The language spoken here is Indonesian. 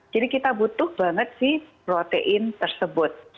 jadi kita butuh banget sih protein tersebut